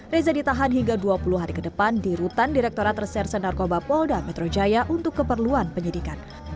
reza ditahan hingga dua puluh hari ke depan di rutan direkturat reserse narkoba polda metro jaya untuk keperluan penyidikan